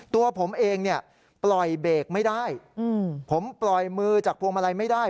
ตัวผมเองเนี่ยปล่อยเบรกไม่ได้ผมปล่อยมือจากพวงมาลัยไม่ได้